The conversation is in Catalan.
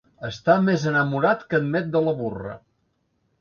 Està més enamorat que en Met de la burra.